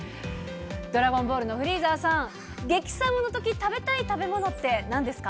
ドラゴンボールのフリーザさん、激寒のとき食べたい食べ物ってなんですか？